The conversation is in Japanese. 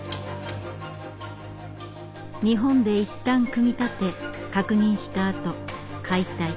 日本でいったん組み立て確認したあと解体。